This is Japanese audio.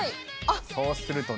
そうするとね。